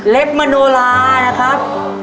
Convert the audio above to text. เล็บมโนลานะครับ